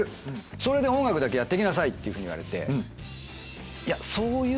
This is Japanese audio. それで音楽だけやって行きなさい」っていうふうに言われて。